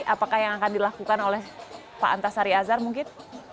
apakah yang akan dilakukan oleh pak antasari azhar mungkin